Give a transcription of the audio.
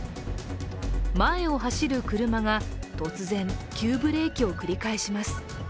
前を走る車が突然、急ブレーキを繰り返します。